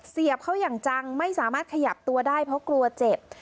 เสียบเขาอย่างจังไม่สามารถขยับตัวได้เพราะกลัวเจ็บ